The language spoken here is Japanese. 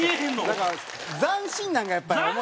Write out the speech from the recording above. だから斬新なんがやっぱり面白い。